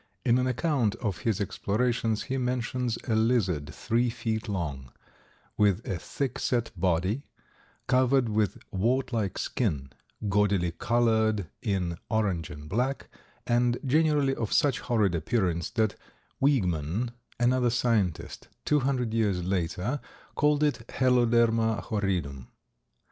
In an account of his explorations he mentions a lizard three feet long, with a thick set body, covered with wart like skin, gaudily colored in orange and black, and generally of such horrid appearance that Wiegmann, another scientist, two hundred years later, called it Heloderma horridum.